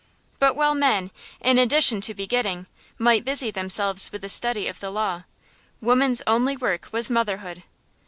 But while men, in addition to begetting, might busy themselves with the study of the Law, woman's only work was motherhood.